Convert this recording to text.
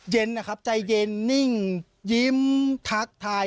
เย็นนะครับใจเย็นนิ่งยิ้มทักทาย